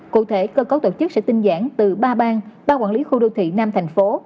cụ thể cơ cấu tổ chức sẽ tinh giãn từ ba ban ba quản lý khu đô thị nam thành phố